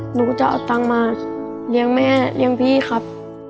หนูจะเอาตังค์มาเลี้ยงแม่เลี้ยงพี่ครับ